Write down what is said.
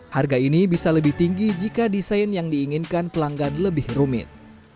harga ini bisa lebih tinggi jika desain yang diinginkan pelanggan lebih rumit